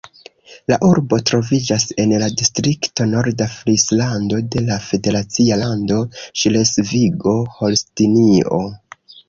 La urbo troviĝas en la distrikto Norda Frislando de la federacia lando Ŝlesvigo-Holstinio.